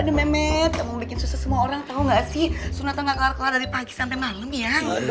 aduh mehmet kamu bikin susah semua orang tau gak sih sunatan gak kelar kelar dari pagi sampai malam ya